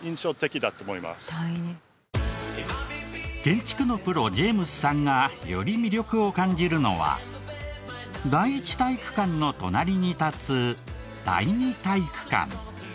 建築のプロジェームスさんがより魅力を感じるのは第一体育館の隣に立つ第二体育館。